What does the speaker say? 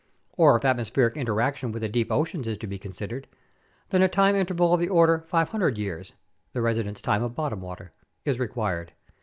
Or if atmospheric interaction with the deep oceans is to be considered, then a time interval of the order 500 years (the residence time of bottom water) is required.